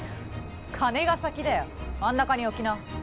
金が先だよ真ん中に置きな。